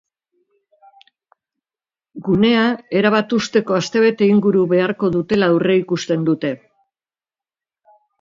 Gunea erabat husteko astebete inguru beharko dutela aurreikusten dute.